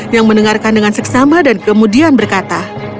yang mendengarkan dengan seksama dan kemudian berkata